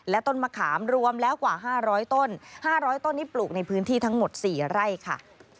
ต้นมะขามรวมแล้วกว่า๕๐๐ต้น๕๐๐ต้นนี้ปลูกในพื้นที่ทั้งหมด๔ไร่ค่ะ